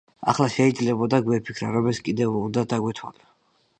ახლა შეიძლებოდა გვეფიქრა, რომ ეს კიდევ უნდა დაგვეთვალა.